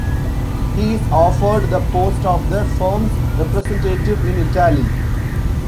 He is offered the post of the firm's representative in Italy.